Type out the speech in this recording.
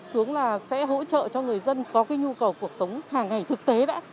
hướng là sẽ hỗ trợ cho người dân có cái nhu cầu cuộc sống hàng ngày thực tế đã